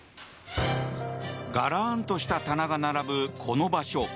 がらんとした棚が並ぶこの場所。